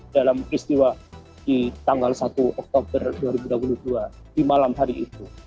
dalam peristiwa di tanggal satu oktober dua ribu dua puluh dua di malam hari itu